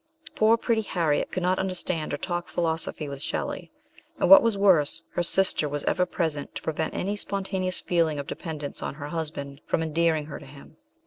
Poor pretty Harriet could not understand or talk philosophy with Shelley, and, what was worse, her sister was ever present to prevent any spontaneous feeling of dependence on her husband from endearing her to him.